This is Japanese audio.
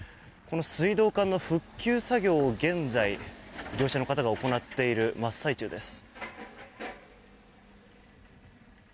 水道管の復旧作業を現在、業者の方が行っている真っ最中です。